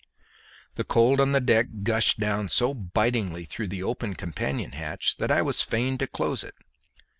The cold on deck gushed down so bitingly through the open companion hatch that I was fain to close it.